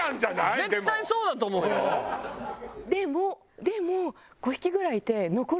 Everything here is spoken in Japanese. でもでも。